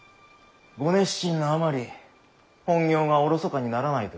ご熱心なあまり本業がおろそかにならないといいですな。